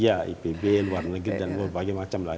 iya ada ipb luar negeri dan berbagai macam lah